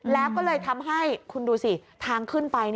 แล้วก็เลยทำให้คุณดูสิทางขึ้นไป